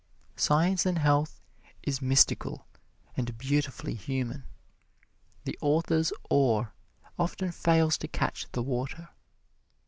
"Science and Health" is mystical and beautifully human. The author's oar often fails to catch the water.